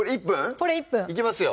これ１分いきますよ